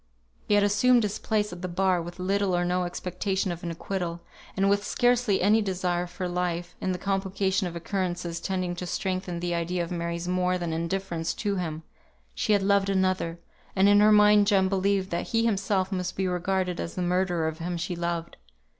He had assumed his place at the bar with little or no expectation of an acquittal; and with scarcely any desire for life, in the complication of occurrences tending to strengthen the idea of Mary's more than indifference to him; she had loved another, and in her mind Jem believed that he himself must be regarded as the murderer of him she loved.